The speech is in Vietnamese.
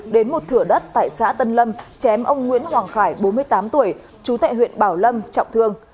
đến một thửa đất tại xã tân lâm chém ông nguyễn hoàng khải bốn mươi tám tuổi trú tại huyện bảo lâm trọng thương